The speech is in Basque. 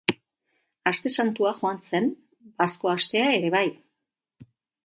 Aste santua joan zen, bazko astea ere bai.